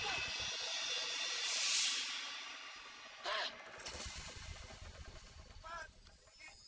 cepat sedikit ada siang